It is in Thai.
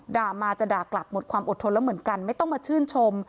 มาจะด่ากลับหมดความอดทนแล้วเหมือนกันไม่ต้องมาชื่นชม